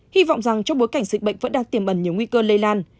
hy vọng rằng trong bối cảnh dịch bệnh vẫn đang tiềm ẩn nhiều nguy cơ lây lan